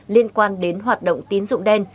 liên quan đến hoạt động tiến dụng đen